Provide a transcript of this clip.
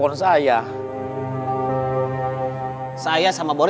gak ada yang kabur